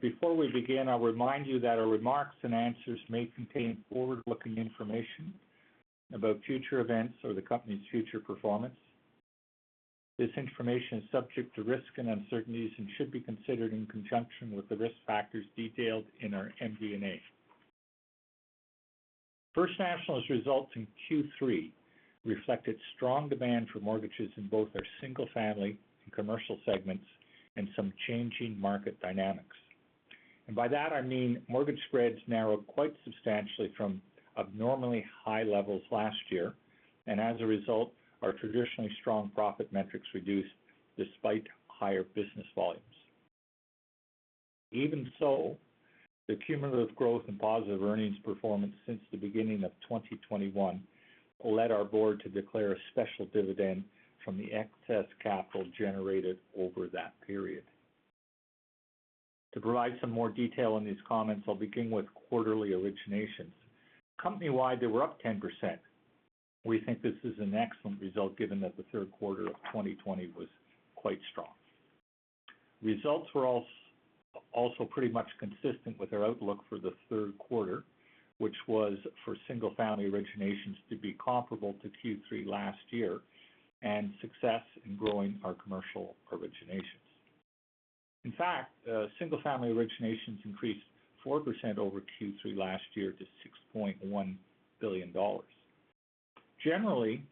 Before we begin, I'll remind you that our remarks and answers may contain forward-looking information about future events or the company's future performance. This information is subject to risks and uncertainties and should be considered in conjunction with the risk factors detailed in our MD&A. First National's results in Q3 reflected strong demand for mortgages in both our single family and commercial segments and some changing market dynamics. By that, I mean mortgage spreads narrowed quite substantially from abnormally high levels last year. As a result, our traditionally strong profit metrics reduced despite higher business volumes. Even so, the cumulative growth and positive earnings performance since the beginning of 2021 led our board to declare a special dividend from the excess capital generated over that period. To provide some more detail on these comments, I'll begin with quarterly originations. Company-wide, they were up 10%. We think this is an excellent result given that the third quarter of 2020 was quite strong. Results were also pretty much consistent with our outlook for the third quarter, which was for single-family originations to be comparable to Q3 last year, and success in growing our commercial originations. In fact, single-family originations increased 4% over Q3 last year to 6.1 billion dollars. Generally,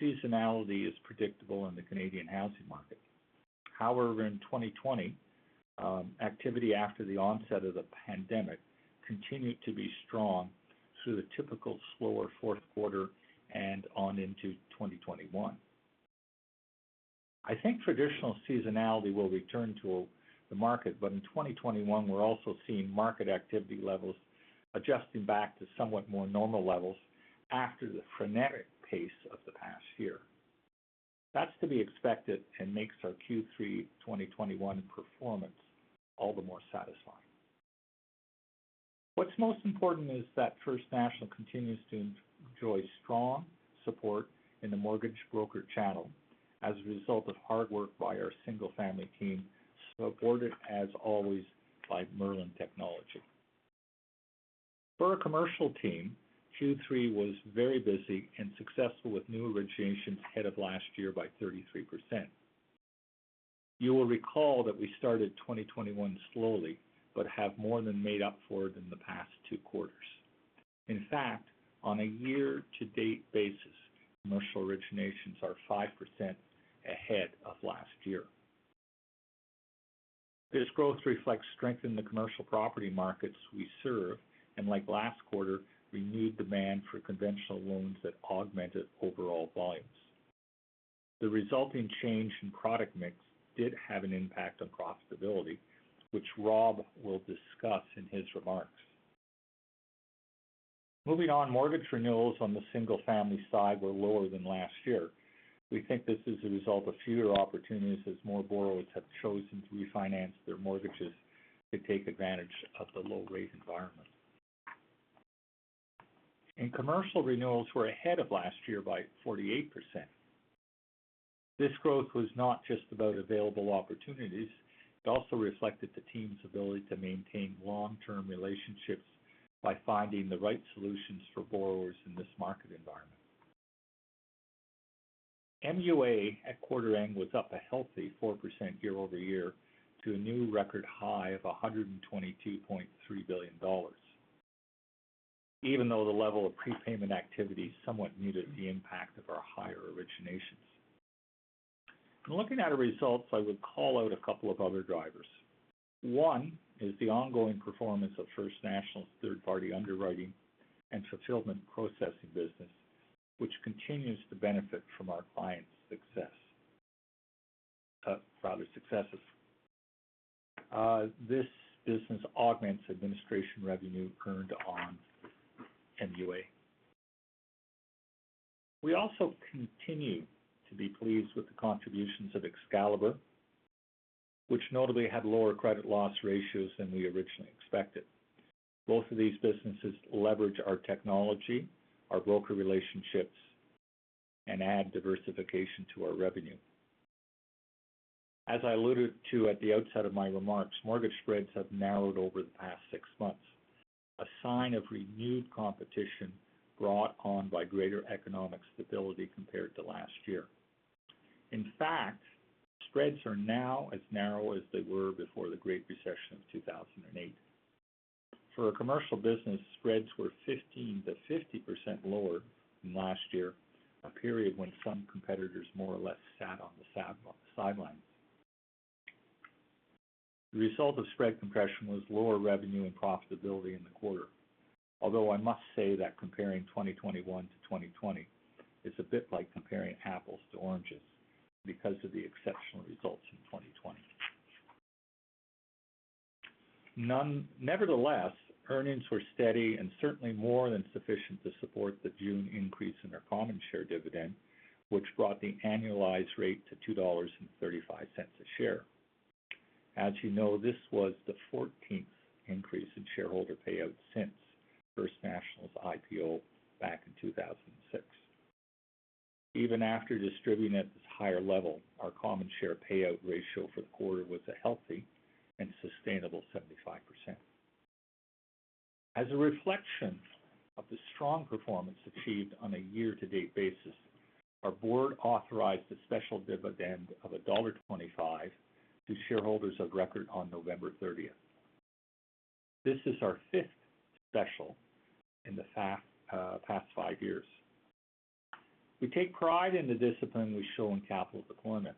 seasonality is predictable in the Canadian housing market. However, in 2020, activity after the onset of the pandemic continued to be strong through the typical slower fourth quarter and on into 2021. I think traditional seasonality will return to the market, but in 2021, we're also seeing market activity levels adjusting back to somewhat more normal levels after the frenetic pace of the past year. That's to be expected and makes our Q3 2021 performance all the more satisfying. What's most important is that First National continues to enjoy strong support in the mortgage broker channel as a result of hard work by our single-family team, supported as always by Merlin Technology. For our commercial team, Q3 was very busy and successful, with new originations ahead of last year by 33%. You will recall that we started 2021 slowly but have more than made up for it in the past two quarters. In fact, on a year-to-date basis, commercial originations are 5% ahead of last year. This growth reflects strength in the commercial property markets we serve, and like last quarter, renewed demand for conventional loans that augmented overall volumes. The resulting change in product mix did have an impact on profitability, which Rob will discuss in his remarks. Moving on, mortgage renewals on the single-family side were lower than last year. We think this is a result of fewer opportunities as more borrowers have chosen to refinance their mortgages to take advantage of the low rate environment. Commercial renewals were ahead of last year by 48%. This growth was not just about available opportunities, it also reflected the team's ability to maintain long-term relationships by finding the right solutions for borrowers in this market environment. MUA at quarter end was up a healthy 4% year-over-year to a new record high of 122.3 billion dollars, even though the level of prepayment activity somewhat muted the impact of our higher originations. In looking at our results, I would call out a couple of other drivers. One is the ongoing performance of First National's third-party underwriting and fulfillment processing business, which continues to benefit from our clients' success, rather successes. This business augments administration revenue earned on MUA. We also continue to be pleased with the contributions of Excalibur, which notably had lower credit loss ratios than we originally expected. Both of these businesses leverage our technology, our broker relationships, and add diversification to our revenue. As I alluded to at the outset of my remarks, mortgage spreads have narrowed over the past six months, a sign of renewed competition brought on by greater economic stability compared to last year. In fact, spreads are now as narrow as they were before the Great Recession of 2008. For our commercial business, spreads were 15% to 50% lower than last year, a period when some competitors more or less sat on the sidelines. The result of spread compression was lower revenue and profitability in the quarter. Although I must say that comparing 2021 to 2020 is a bit like comparing apples to oranges because of the exceptional results in 2020. Nevertheless, earnings were steady and certainly more than sufficient to support the June increase in our common share dividend, which brought the annualized rate to 2.35 dollars a share. As you know, this was the fourteenth increase in shareholder payouts since First National's IPO back in 2006. Even after distributing at this higher level, our common share payout ratio for the quarter was a healthy and sustainable 75%. As a reflection of the strong performance achieved on a year-to-date basis, our board authorized a special dividend of dollar 1.25 to shareholders of record on November thirtieth. This is our fifth special in the past five years. We take pride in the discipline we show in capital deployment,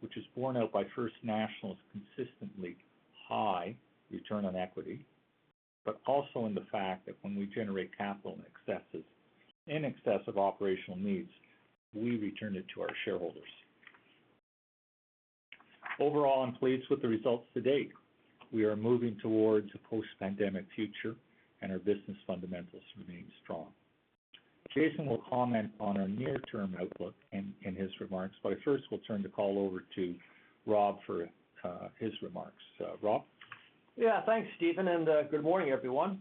which is borne out by First National's consistently high return on equity, but also in the fact that when we generate capital in excess of operational needs, we return it to our shareholders. Overall, I'm pleased with the results to date. We are moving towards a post-pandemic future, and our business fundamentals remain strong. Jason will comment on our near-term outlook in his remarks, but first we'll turn the call over to Rob for his remarks. Rob? Yeah. Thanks, Stephen, and good morning, everyone.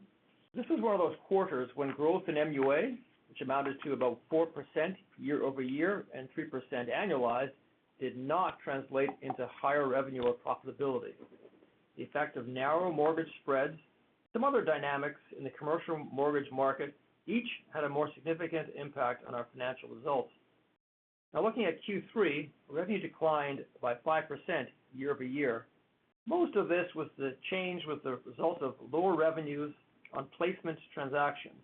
This was one of those quarters when growth in MUA, which amounted to about 4% year-over-year and 3% annualized, did not translate into higher revenue or profitability. The effect of narrower mortgage spreads, some other dynamics in the commercial mortgage market, each had a more significant impact on our financial results. Now looking at Q3, revenue declined by 5% year-over-year. Most of this was the result of lower revenues on placement transactions.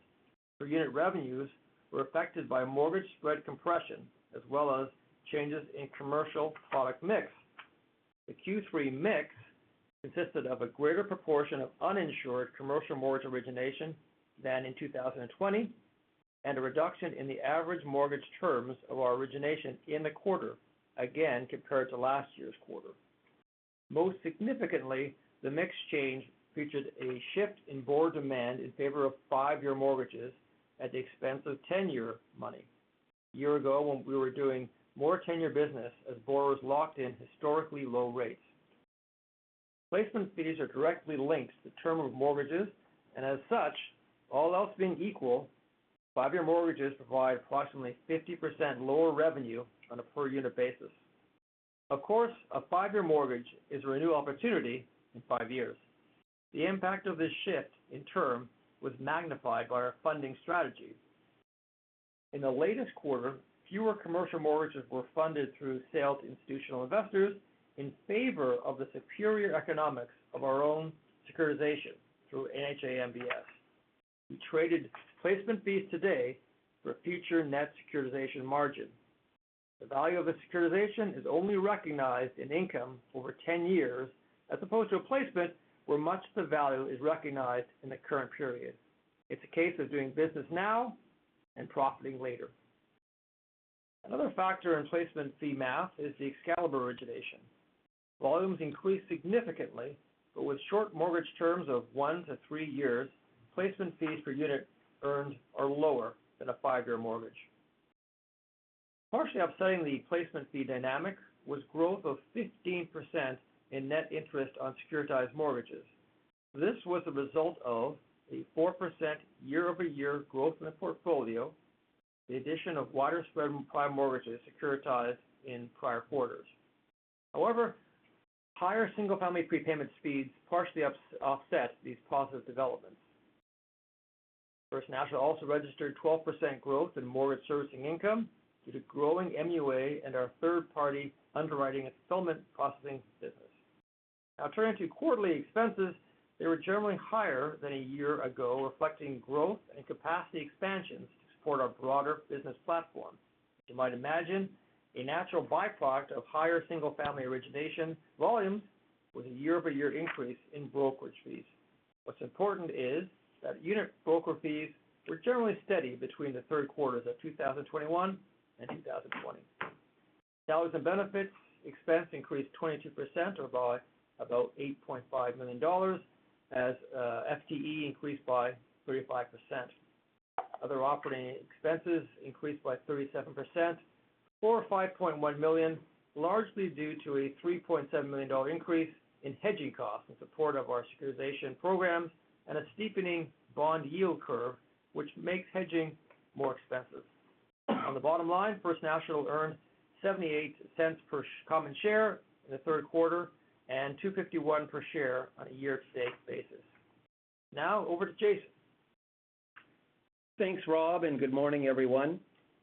Per unit revenues were affected by mortgage spread compression, as well as changes in commercial product mix. The Q3 mix consisted of a greater proportion of uninsured commercial mortgage origination than in 2020, and a reduction in the average mortgage terms of our origination in the quarter, again compared to last year's quarter. Most significantly, the mix change featured a shift in borrower demand in favor of five-year mortgages at the expense of ten-year money. A year ago, when we were doing more ten-year business as borrowers locked in historically low rates. Placement fees are directly linked to the term of mortgages, and as such, all else being equal, five-year mortgages provide approximately 50% lower revenue on a per unit basis. Of course, a five-year mortgage is a renew opportunity in 5 years. The impact of this shift in term was magnified by our funding strategy. In the latest quarter, fewer commercial mortgages were funded through sales to institutional investors in favor of the superior economics of our own securitization through NHA MBS. We traded placement fees today for future net securitization margin. The value of a securitization is only recognized in income over 10 years as opposed to a placement where much of the value is recognized in the current period. It's a case of doing business now and profiting later. Another factor in placement fee math is the Excalibur origination. Volumes increased significantly, but with short mortgage terms of 1-3 years, placement fees per unit earned are lower than a 5-year mortgage. Partially offsetting the placement fee dynamic was growth of 15% in net interest on securitized mortgages. This was a result of a 4% year-over-year growth in the portfolio, the addition of wider spread prime mortgages securitized in prior quarters. However, higher single-family prepayment speeds partially offset these positive developments. First National also registered 12% growth in mortgage servicing income due to growing MUA and our third-party underwriting and fulfillment processing business. Now turning to quarterly expenses, they were generally higher than a year ago, reflecting growth and capacity expansions to support our broader business platform. You might imagine a natural by-product of higher single-family origination volumes was a year-over-year increase in brokerage fees. What's important is that unit broker fees were generally steady between the third quarters of 2021 and 2020. Salaries and benefits expense increased 22% or by about 8.5 million dollars as FTE increased by 35%. Other operating expenses increased by 37%, or 5.1 million, largely due to a 3.7 million dollar increase in hedging costs in support of our securitization programs and a steepening bond yield curve, which makes hedging more expensive. On the bottom line, First National earned 0.78 per common share in the third quarter and 2.51 per share on a year-to-date basis. Now over to Jason. Thanks, Rob, and good morning, everyone.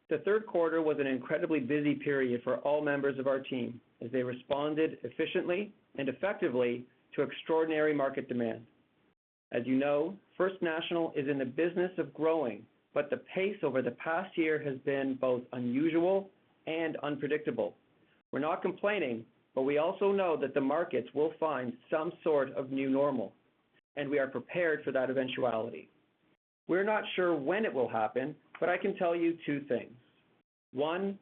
The third quarter was an incredibly busy period for all members of our team as they responded efficiently and effectively to extraordinary market demand. As you know, First National is in the business of growing, but the pace over the past year has been both unusual and unpredictable. We're not complaining, but we also know that the markets will find some sort of new normal, and we are prepared for that eventuality. We're not sure when it will happen, but I can tell you two things. One,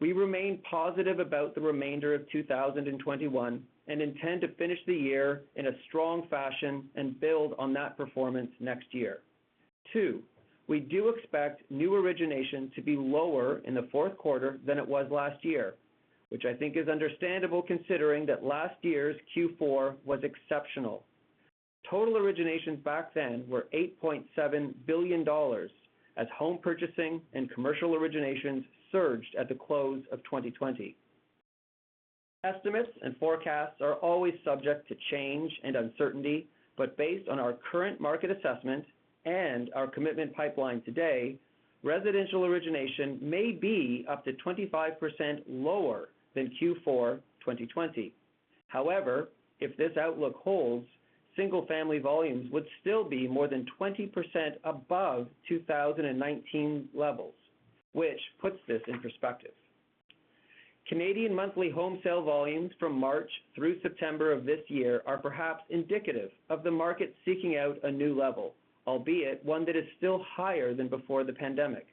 we remain positive about the remainder of 2021 and intend to finish the year in a strong fashion and build on that performance next year. 2, we do expect new origination to be lower in the fourth quarter than it was last year, which I think is understandable considering that last year's Q4 was exceptional. Total originations back then were 8.7 billion dollars as home purchasing and commercial originations surged at the close of 2020. Estimates and forecasts are always subject to change and uncertainty, but based on our current market assessment and our commitment pipeline today, residential origination may be up to 25% lower than Q4 2020. However, if this outlook holds, single-family volumes would still be more than 20% above 2019 levels, which puts this in perspective. Canadian monthly home sale volumes from March through September of this year are perhaps indicative of the market seeking out a new level, albeit one that is still higher than before the pandemic.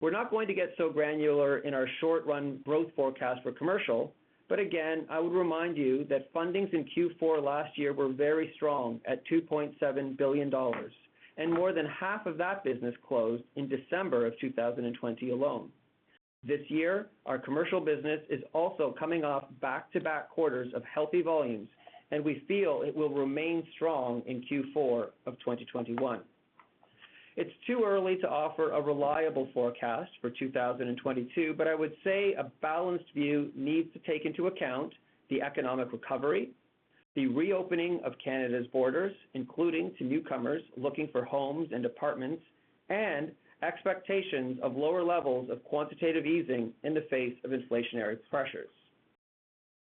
We're not going to get so granular in our short-run growth forecast for commercial, but again, I would remind you that fundings in Q4 last year were very strong at 2.7 billion dollars, and more than half of that business closed in December of 2020 alone. This year, our commercial business is also coming off back-to-back quarters of healthy volumes, and we feel it will remain strong in Q4 of 2021. It's too early to offer a reliable forecast for 2022, but I would say a balanced view needs to take into account the economic recovery, the reopening of Canada's borders, including to newcomers looking for homes and apartments, and expectations of lower levels of quantitative easing in the face of inflationary pressures.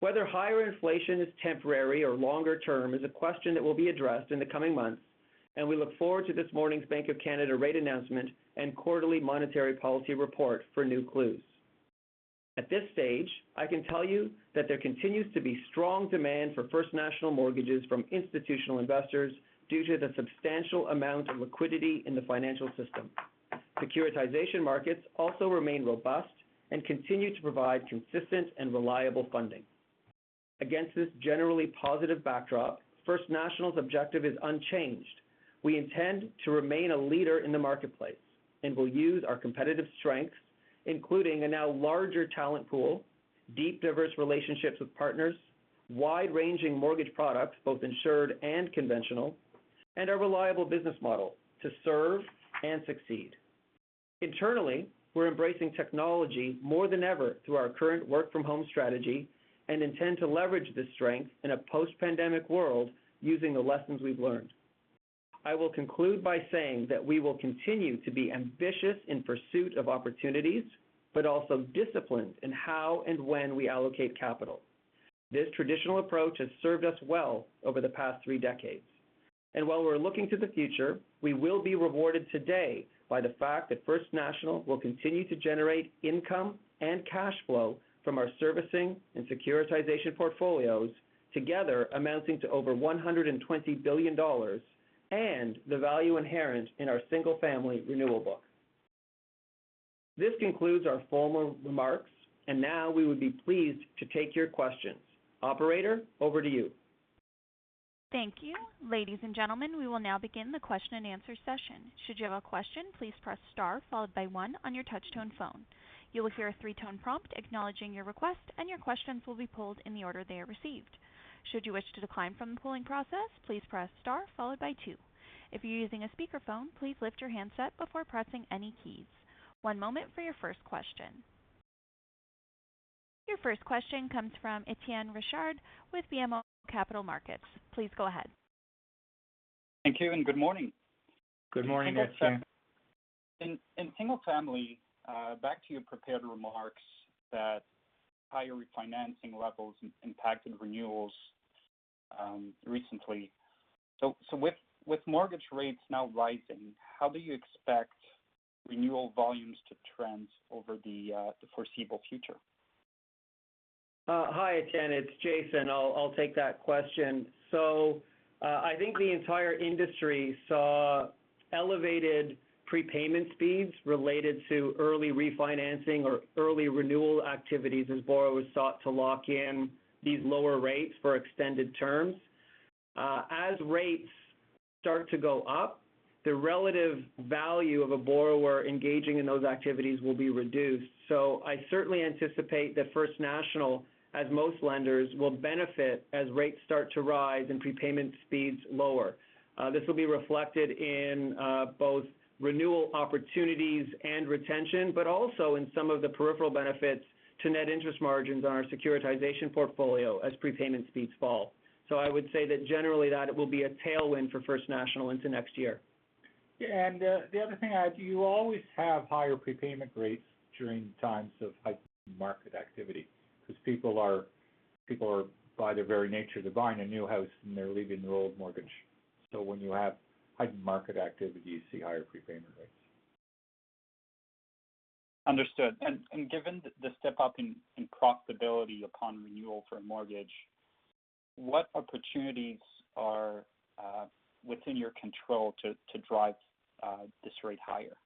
Whether higher inflation is temporary or longer term is a question that will be addressed in the coming months, and we look forward to this morning's Bank of Canada rate announcement and quarterly monetary policy report for new clues. At this stage, I can tell you that there continues to be strong demand for First National mortgages from institutional investors due to the substantial amount of liquidity in the financial system. Securitization markets also remain robust and continue to provide consistent and reliable funding. Against this generally positive backdrop, First National's objective is unchanged. We intend to remain a leader in the marketplace and will use our competitive strengths, including a now larger talent pool, deep, diverse relationships with partners, wide-ranging mortgage products, both insured and conventional, and a reliable business model to serve and succeed. Internally, we're embracing technology more than ever through our current work-from-home strategy and intend to leverage this strength in a post-pandemic world using the lessons we've learned. I will conclude by saying that we will continue to be ambitious in pursuit of opportunities, but also disciplined in how and when we allocate capital. This traditional approach has served us well over the past three decades. While we're looking to the future, we will be rewarded today by the fact that First National will continue to generate income and cash flow from our servicing and securitization portfolios, together amounting to over 120 billion dollars, and the value inherent in our single-family renewal book. This concludes our formal remarks, and now we would be pleased to take your questions. Operator, over to you. Thank you. Ladies and gentlemen, we will now begin the question-and-answer session. Should you have a question, please press star followed by one on your touch-tone phone. You will hear a three-tone prompt acknowledging your request, and your questions will be pulled in the order they are received. Should you wish to decline from the polling process, please press star followed by two. If you're using a speakerphone, please lift your handset before pressing any keys. One moment for your first question. Your first question comes from Étienne Ricard with BMO Capital Markets. Please go ahead. Thank you and good morning. Good morning, Étienne. In single family, back to your prepared remarks that higher refinancing levels impacted renewals, recently. With mortgage rates now rising, how do you expect renewal volumes to trend over the foreseeable future? Hi, Étienne, it's Jason. I'll take that question. I think the entire industry saw elevated prepayment speeds related to early refinancing or early renewal activities as borrowers sought to lock in these lower rates for extended terms. As rates start to go up, the relative value of a borrower engaging in those activities will be reduced. I certainly anticipate that First National, as most lenders, will benefit as rates start to rise and prepayment speeds lower. This will be reflected in both renewal opportunities and retention, but also in some of the peripheral benefits to net interest margins on our securitization portfolio as prepayment speeds fall. I would say that generally it will be a tailwind for First National into next year. The other thing, you always have higher prepayment rates during times of high market activity because people are by their very nature, they're buying a new house, and they're leaving their old mortgage. When you have high market activity, you see higher prepayment rates. Understood. Given the step-up in profitability upon renewal for a mortgage, what opportunities are within your control to drive this rate higher?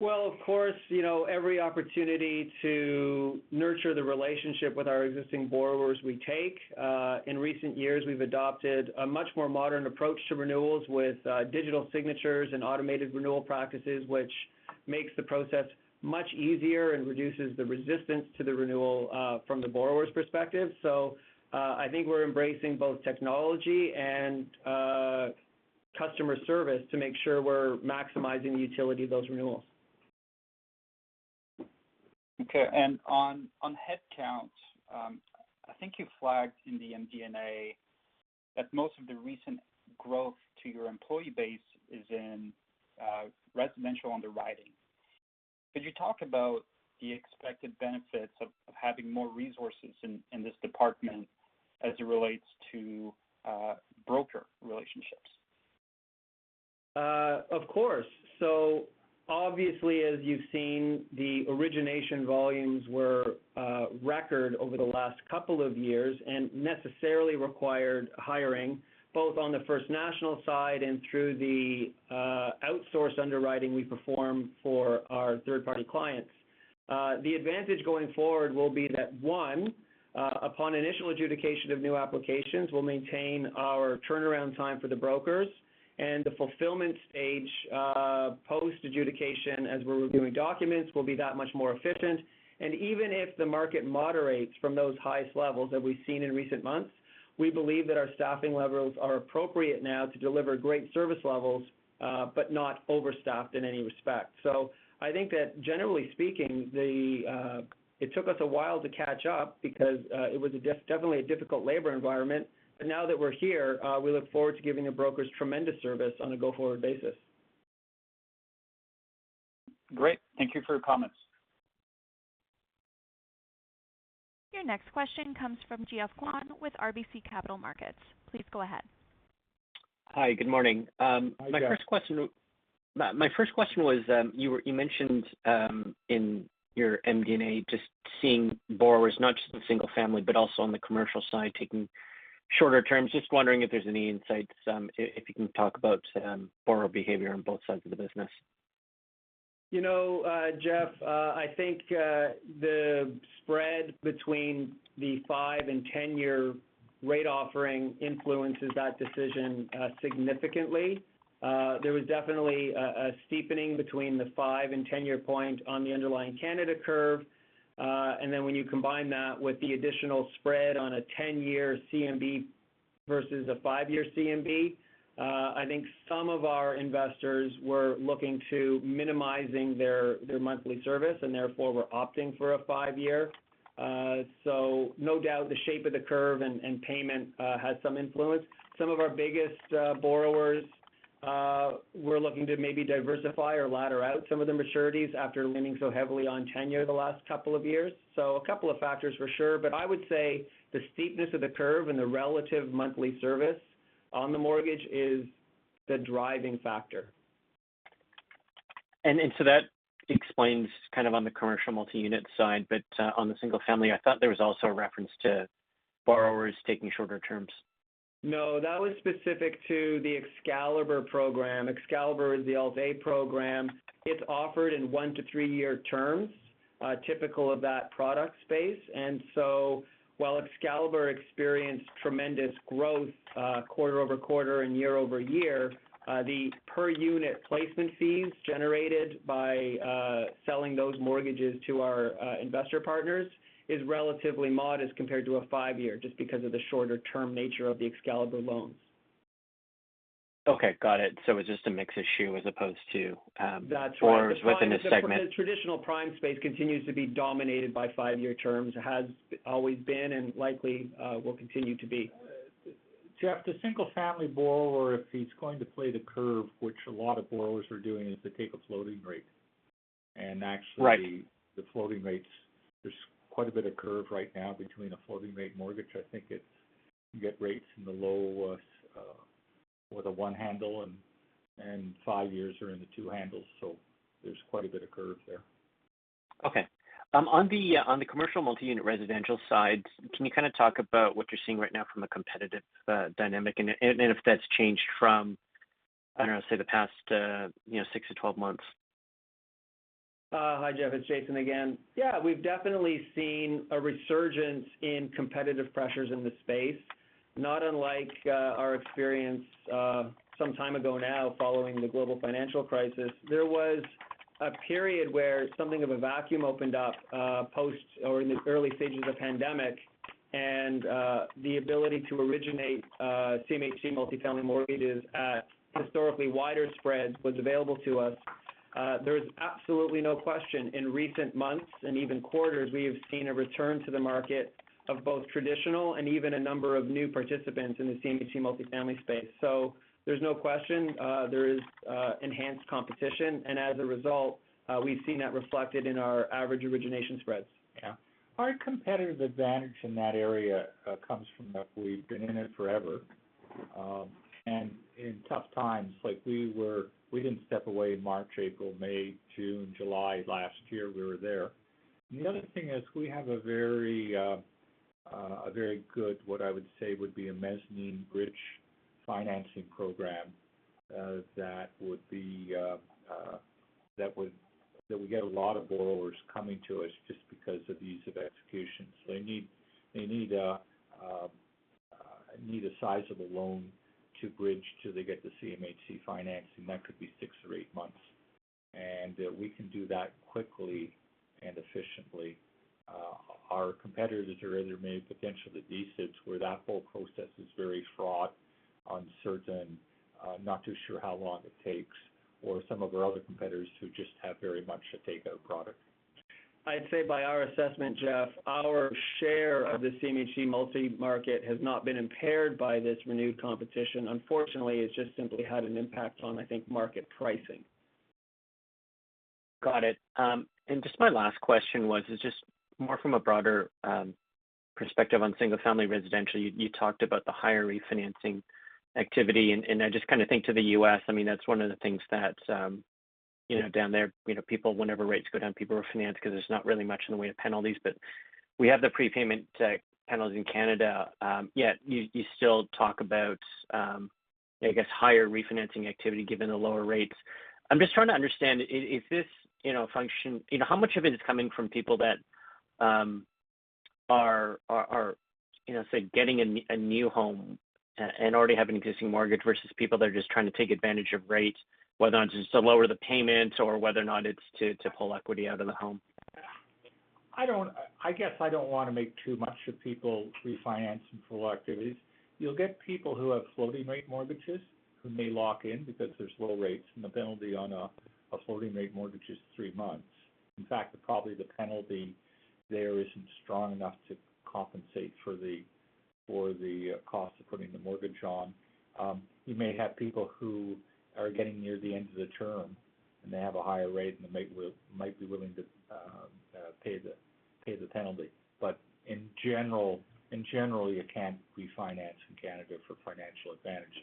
Well, of course, you know, every opportunity to nurture the relationship with our existing borrowers we take. In recent years, we've adopted a much more modern approach to renewals with digital signatures and automated renewal practices, which makes the process much easier and reduces the resistance to the renewal from the borrower's perspective. I think we're embracing both technology and customer service to make sure we're maximizing the utility of those renewals. Okay. On headcount, I think you flagged in the MD&A that most of the recent growth to your employee base is in residential underwriting. Could you talk about the expected benefits of having more resources in this department as it relates to broker relationships? Of course. Obviously, as you've seen, the origination volumes were record over the last couple of years and necessarily required hiring both on the First National side and through the outsourced underwriting we perform for our third-party clients. The advantage going forward will be that, one, upon initial adjudication of new applications, we'll maintain our turnaround time for the brokers and the fulfillment stage post adjudication as we're reviewing documents will be that much more efficient. Even if the market moderates from those highest levels that we've seen in recent months, we believe that our staffing levels are appropriate now to deliver great service levels but not overstaffed in any respect. I think that generally speaking, it took us a while to catch up because it was definitely a difficult labor environment. Now that we're here, we look forward to giving the brokers tremendous service on a go-forward basis. Great. Thank you for your comments. Your next question comes from Geoff Kwan with RBC Capital Markets. Please go ahead. Hi. Good morning. Hi, Geoff. My first question was, you mentioned in your MD&A just seeing borrowers not just in single-family, but also on the commercial side, taking shorter terms. Just wondering if there's any insights, if you can talk about borrower behavior on both sides of the business. You know, Geoff, I think the spread between the 5- and 10-year rate offering influences that decision significantly. There was definitely a steepening between the 5- and 10-year point on the underlying Canada curve. When you combine that with the additional spread on a 10-year CMB versus a 5-year CMB, I think some of our investors were looking to minimizing their monthly service and therefore were opting for a 5-year. No doubt the shape of the curve and payment has some influence. Some of our biggest borrowers were looking to maybe diversify or ladder out some of the maturities after leaning so heavily on 10-year the last couple of years. A couple of factors for sure, but I would say the steepness of the curve and the relative monthly service on the mortgage is the driving factor. that explains kind of on the commercial multi-unit side, but on the single family, I thought there was also a reference to borrowers taking shorter terms. No, that was specific to the Excalibur program. Excalibur is the Alt-A program. It's offered in 1-3-year terms, typical of that product space. While Excalibur experienced tremendous growth, quarter-over-quarter and year-over-year, the per unit placement fees generated by selling those mortgages to our investor partners is relatively modest compared to a 5-year, just because of the shorter term nature of the Excalibur loans. Okay. Got it. It's just a mix issue as opposed to, That's right. borrowers within a segment. The traditional prime space continues to be dominated by five-year terms. It has always been and likely will continue to be. Geoff, the single family borrower, if he's going to play the curve, which a lot of borrowers are doing, is to take a floating rate. Actually the floating rates, there's quite a bit of curve right now between a floating rate mortgage. I think the rates in the low with a one handle and five years are in the two handles. There's quite a bit of curve there. Okay. On the commercial multi-unit residential side, can you kind of talk about what you're seeing right now from a competitive dynamic and if that's changed from, I don't know, say the past 6 to 12 months? Hi, Geoff. It's Jason again. We've definitely seen a resurgence in competitive pressures in the space, not unlike our experience some time ago now following the global financial crisis. There was a period where something of a vacuum opened up post or in the early stages of pandemic, and the ability to originate CMHC multifamily mortgages at historically wider spreads was available to us. There's absolutely no question in recent months and even quarters, we have seen a return to the market of both traditional and even a number of new participants in the CMHC multifamily space. There's no question, there is enhanced competition. As a result, we've seen that reflected in our average origination spreads. Yeah. Our competitive advantage in that area comes from that we've been in it forever. In tough times like we were, we didn't step away March, April, May, June, July last year, we were there. The other thing is we have a very good, what I would say would be a mezzanine bridge financing program that we get a lot of borrowers coming to us just because of the ease of execution. They need a size of a loan to bridge till they get the CMHC financing. That could be six or eight months. We can do that quickly and efficiently. Our competitors that are in there may potentially be Schedule I banks where that whole process is very fraught on certain, not too sure how long it takes or some of our other competitors who just have very much a takeout product. I'd say by our assessment, Geoff Kwan, our share of the CMHC multi-unit market has not been impaired by this renewed competition. Unfortunately, it's just simply had an impact on, I think, market pricing. Got it. Just my last question was just more from a broader perspective on single-family residential. You talked about the higher refinancing activity, and I just kind of think to the U.S. I mean, that's one of the things that, you know, down there, you know, people whenever rates go down, people refinance because there's not really much in the way of penalties. But we have the prepayment penalties in Canada, yet you still talk about, I guess, higher refinancing activity given the lower rates. I'm just trying to understand, is this, you know, function. You know, how much of it is coming from people that are, you know, say, getting a new home and already have an existing mortgage versus people that are just trying to take advantage of rates, whether or not just to lower the payments or whether or not it's to pull equity out of the home? I guess I don't want to make too much of people refinancing for activities. You'll get people who have floating rate mortgages who may lock in because there's low rates and the penalty on a floating rate mortgage is three months. In fact, probably the penalty there isn't strong enough to compensate for the cost of putting the mortgage on. You may have people who are getting near the end of the term and they have a higher rate and they might be willing to pay the penalty. In general, you can't refinance in Canada for financial advantage.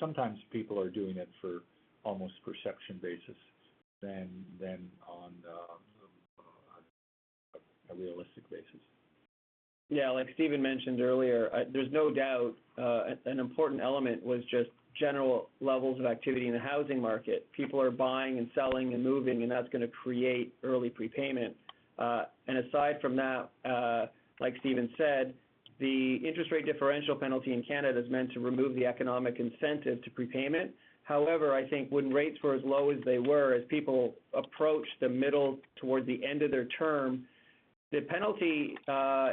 Sometimes people are doing it for almost perception basis than on a realistic basis. Yeah. Like Stephen mentioned earlier, there's no doubt, an important element was just general levels of activity in the housing market. People are buying and selling and moving, and that's gonna create early prepayment. Aside from that, like Stephen said, the interest rate differential penalty in Canada is meant to remove the economic incentive to prepayment. However, I think when rates were as low as they were, as people approached the middle towards the end of their term, the penalty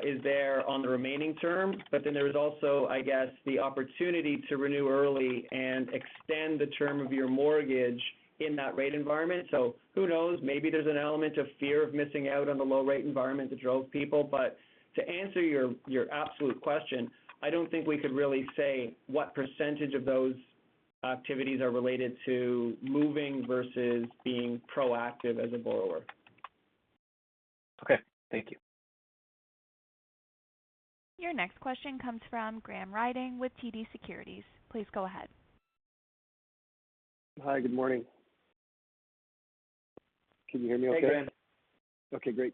is there on the remaining term. There's also, I guess, the opportunity to renew early and extend the term of your mortgage in that rate environment. Who knows, maybe there's an element of fear of missing out on the low rate environment that drove people. To answer your absolute question, I don't think we could really say what percentage of those activities are related to moving versus being proactive as a borrower. Okay. Thank you. Your next question comes from Graham Ryding with TD Securities. Please go ahead. Hi. Good morning. Can you hear me okay? Hey, Graham. Okay, great.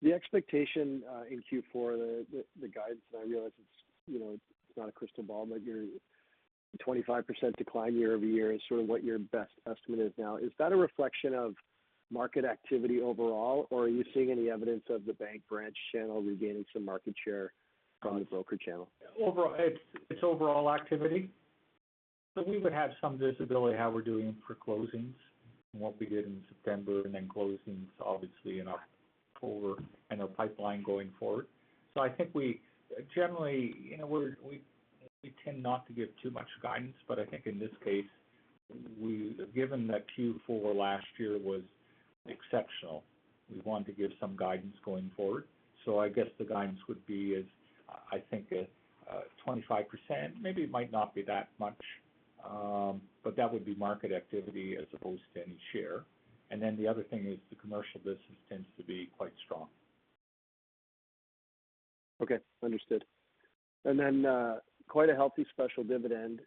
The expectation in Q4, the guidance, and I realize it's, you know, it's not a crystal ball, but your 25% decline year-over-year is sort of what your best estimate is now. Is that a reflection of market activity overall, or are you seeing any evidence of the bank branch channel regaining some market share from the broker channel? Overall, it's overall activity. We would have some visibility how we're doing for closings and what we did in September and then closings obviously in October and our pipeline going forward. I think we generally, you know, we tend not to give too much guidance, but I think in this case, given that Q4 last year was exceptional, we want to give some guidance going forward. I guess the guidance would be is, I think a 25%, maybe it might not be that much, but that would be market activity as opposed to any share. Then the other thing is the commercial business tends to be quite strong. Okay. Understood. Quite a healthy special dividend.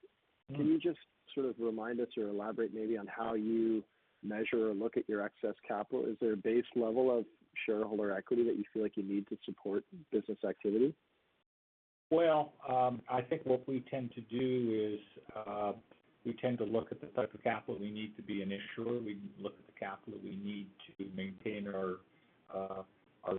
Can you just sort of remind us or elaborate maybe on how you measure or look at your excess capital? Is there a base level of shareholder equity that you feel like you need to support business activity? I think what we tend to do is, we tend to look at the type of capital we need to be an issuer. We look at the capital we need to maintain our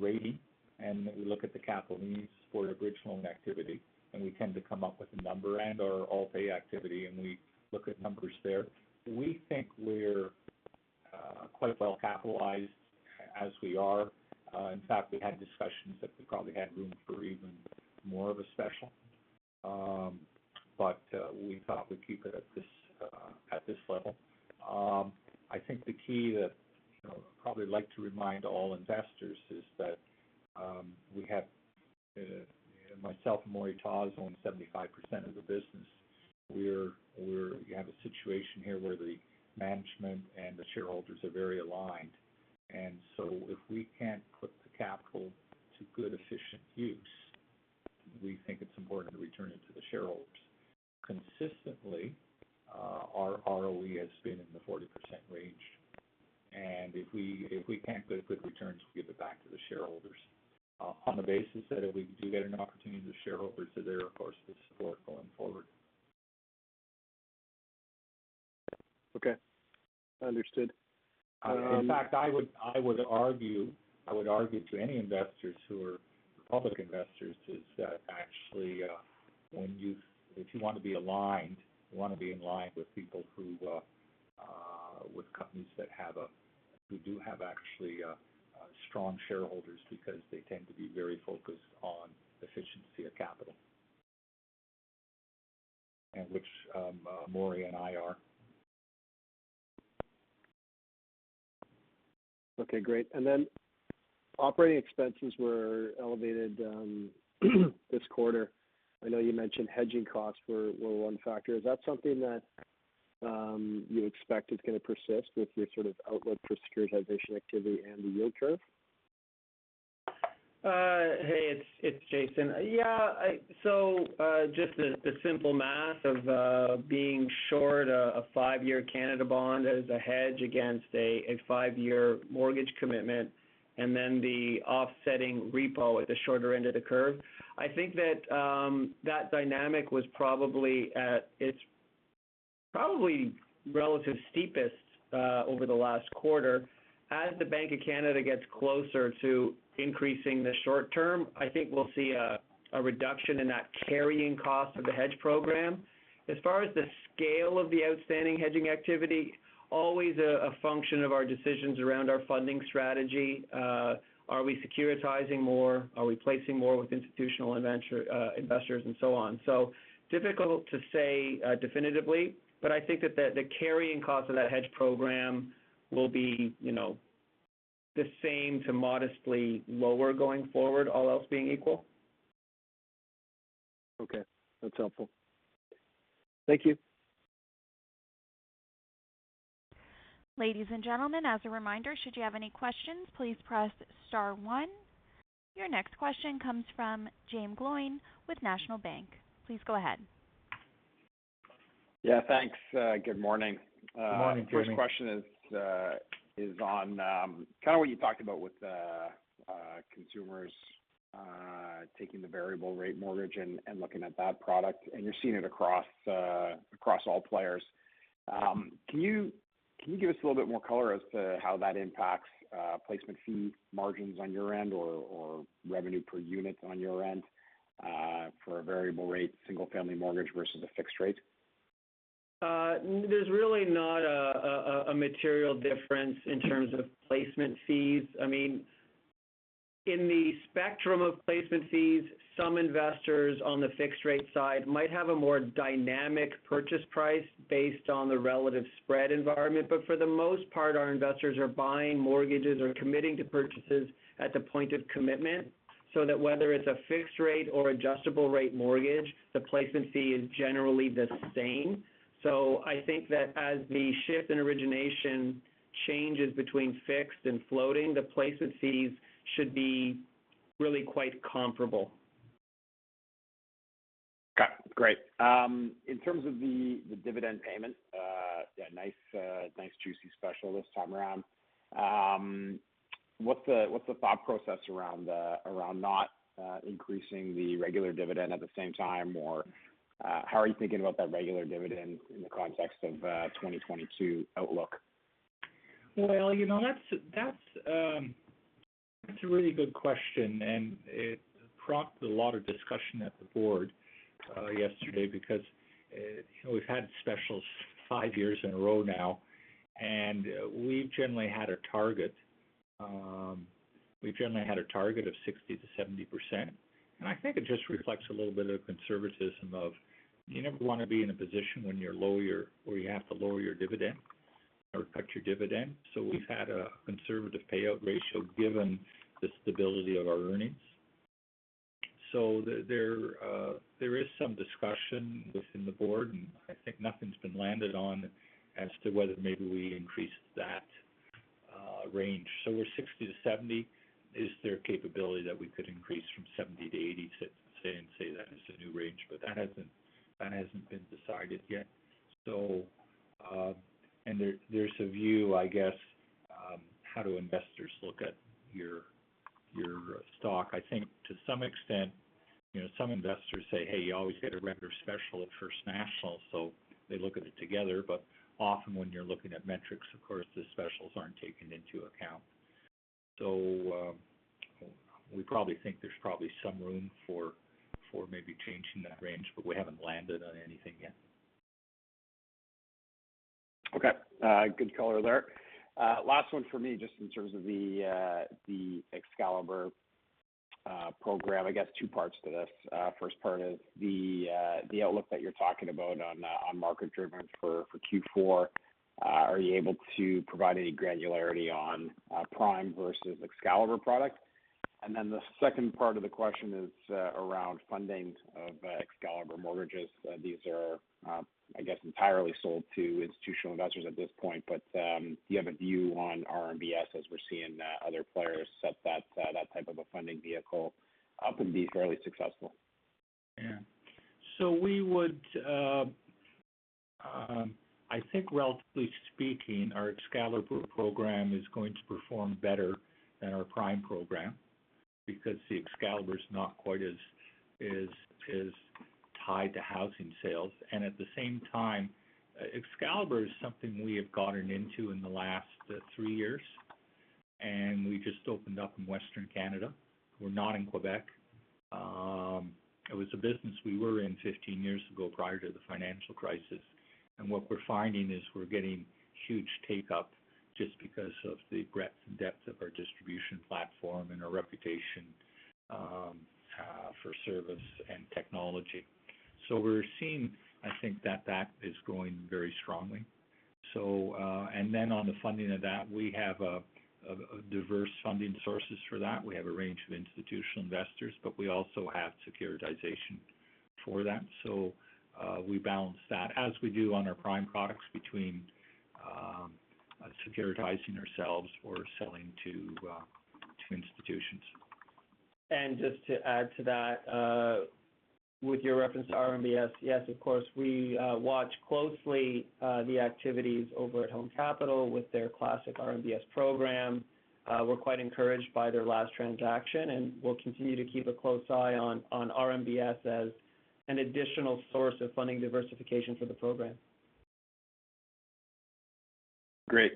rating, and we look at the capital we need to support our bridge loan activity, and we tend to come up with a number and our all pay activity, and we look at numbers there. We think we're quite well capitalized as we are. In fact, we had discussions that we probably had room for even more of a special. We thought we'd keep it at this level. I think the key that, you know, probably like to remind all investors is that, we have, myself and Moray Tawse own 75% of the business. We're, we're... We have a situation here where the management and the shareholders are very aligned. If we can't put the capital to good, efficient use, we think it's important to return it to the shareholders. Consistently, our ROE has been in the 40% range. If we can't get good returns, we give it back to the shareholders on the basis that if we do get an opportunity, the shareholders are there, of course, to support going forward. Okay. Understood. In fact, I would argue to any investors who are public investors that actually, if you want to be aligned, you want to be in line with companies that do have actually strong shareholders because they tend to be very focused on efficiency of capital, which Moray and I are. Okay, great. Operating expenses were elevated this quarter. I know you mentioned hedging costs were one factor. Is that something that you expect is going to persist with your sort of outlook for securitization activity and the yield curve? Hey, it's Jason. Yeah. Just the simple math of being short a five-year Canada bond as a hedge against a five-year mortgage commitment and then the offsetting repo at the shorter end of the curve. I think that dynamic was probably at its relatively steepest over the last quarter. As the Bank of Canada gets closer to increasing the short-term, I think we'll see a reduction in that carrying cost of the hedge program. As far as the scale of the outstanding hedging activity, always a function of our decisions around our funding strategy. Are we securitizing more? Are we placing more with institutional investors and so on? Difficult to say definitively, but I think that the carrying cost of that hedge program will be, you know, the same to modestly lower going forward, all else being equal. Okay. That's helpful. Thank you. Ladies and gentlemen, as a reminder, should you have any questions, please press star one. Your next question comes from Jaeme Gloyn with National Bank. Please go ahead. Yeah, thanks. Good morning. Good morning, Jaeme. First question is on kind of what you talked about with consumers taking the variable rate mortgage and looking at that product, and you're seeing it across all players. Can you give us a little bit more color as to how that impacts placement fee margins on your end or revenue per unit on your end for a variable rate single-family mortgage versus a fixed rate? There's really not a material difference in terms of placement fees. I mean, in the spectrum of placement fees, some investors on the fixed rate side might have a more dynamic purchase price based on the relative spread environment. For the most part, our investors are buying mortgages or committing to purchases at the point of commitment, so that whether it's a fixed rate or adjustable rate mortgage, the placement fee is generally the same. I think that as the shift in origination changes between fixed and floating, the placement fees should be really quite comparable. Okay, great. In terms of the dividend payment, yeah, nice juicy special this time around. What's the thought process around not increasing the regular dividend at the same time? Or, how are you thinking about that regular dividend in the context of 2022 outlook? Well, you know, that's a really good question, and it prompted a lot of discussion at the board yesterday because, you know, we've had specials 5 years in a row now, and we've generally had a target of 60%-70%. I think it just reflects a little bit of conservatism of you never want to be in a position when you have to lower your dividend or cut your dividend. We've had a conservative payout ratio given the stability of our earnings. There is some discussion within the board, and I think nothing's been landed on as to whether maybe we increase that range. We're 60%-70%. Is there capability that we could increase from 70 to 86, say, and say that is the new range, but that hasn't been decided yet. There's a view, I guess, how do investors look at your stock? I think to some extent, you know, some investors say, "Hey, you always get a regular special at First National," so they look at it together. Often when you're looking at metrics, of course, the specials aren't taken into account. We probably think there's probably some room for maybe changing that range, but we haven't landed on anything yet. Okay. Good color there. Last one for me, just in terms of the Excalibur program. I guess two parts to this. First part is the outlook that you're talking about on market-driven for Q4. Are you able to provide any granularity on Prime versus Excalibur product? And then the second part of the question is around funding of Excalibur mortgages. These are, I guess, entirely sold to institutional investors at this point. But do you have a view on RMBS as we're seeing other players set that type of a funding vehicle up and be fairly successful? Yeah. We would, I think, relatively speaking, our Excalibur program is going to perform better than our prime program. Because the Excalibur is not quite as tied to housing sales. At the same time, Excalibur is something we have gotten into in the last 3 years, and we just opened up in Western Canada. We're not in Quebec. It was a business we were in 15 years ago prior to the financial crisis. What we're finding is we're getting huge take-up just because of the breadth and depth of our distribution platform and our reputation for service and technology. We're seeing, I think, that is growing very strongly. On the funding of that, we have a diverse funding sources for that. We have a range of institutional investors, but we also have securitization for that. We balance that as we do on our prime products between securitizing ourselves or selling to institutions. Just to add to that, with your reference to RMBS, yes, of course, we watch closely the activities over at Home Capital with their classic RMBS program. We're quite encouraged by their last transaction, and we'll continue to keep a close eye on RMBS as an additional source of funding diversification for the program. Great.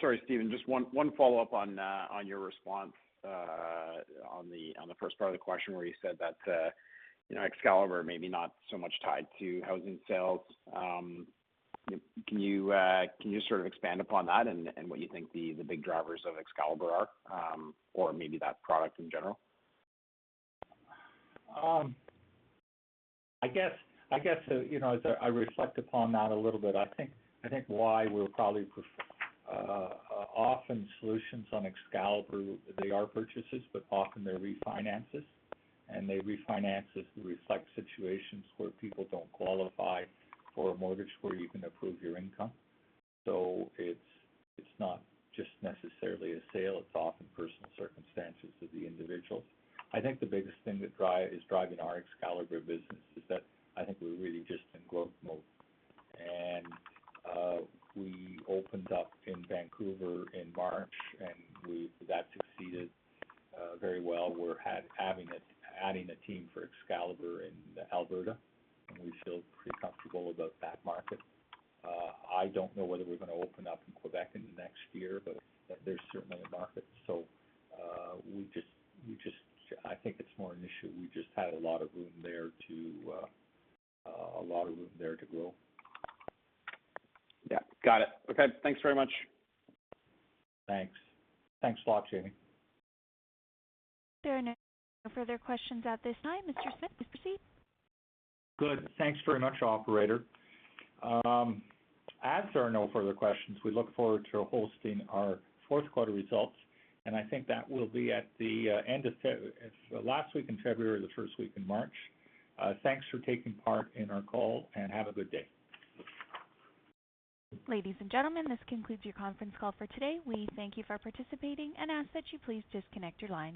Sorry, Stephen, just one follow-up on your response on the first part of the question where you said that you know Excalibur may be not so much tied to housing sales. Can you sort of expand upon that and what you think the big drivers of Excalibur are or maybe that product in general? I guess you know, as I reflect upon that a little bit, I think why we're probably offering solutions on Excalibur, they are purchases, but often they're refinances, and they refinance it to reflect situations where people don't qualify for a mortgage where you can prove your income. So it's not just necessarily a sale, it's often personal circumstances of the individuals. I think the biggest thing that is driving our Excalibur business is that I think we're really just in growth mode. We opened up in Vancouver in March, and that succeeded very well. We're adding a team for Excalibur in Alberta, and we feel pretty comfortable about that market. I don't know whether we're gonna open up in Quebec in the next year, but there's certainly a market. I think it's more an issue. We've just had a lot of room there to grow. Yeah. Got it. Okay. Thanks very much. Thanks. Thanks a lot, Jamie. There are no further questions at this time. Mr. Stephen. Good. Thanks very much, operator. As there are no further questions, we look forward to hosting our fourth quarter results, and I think that will be at the end of last week in February or the first week in March. Thanks for taking part in our call, and have a good day. Ladies and gentlemen, this concludes your conference call for today. We thank you for participating and ask that you please disconnect your lines.